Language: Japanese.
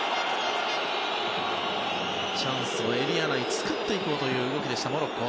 チャンスをエリア内で作っていこうという動きだったモロッコ。